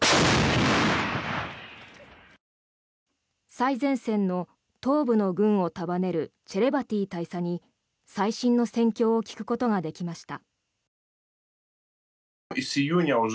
最前線の東部の軍を束ねるチェレバティ大佐に最新の戦況を聞くことができました。